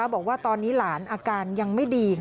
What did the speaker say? บอกว่าตอนนี้หลานอาการยังไม่ดี